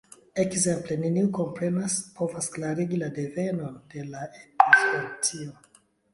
Ekzemple: neniu komprenas, povas klarigi la devenon de la epizootio.